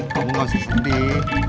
kamu gak usah sedih